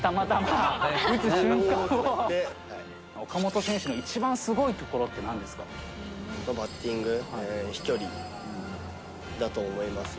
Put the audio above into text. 岡本選手のいちばんすごいとバッティング、飛距離だと思いますね。